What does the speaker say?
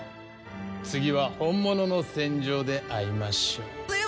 次は本物の戦場で会いましょう。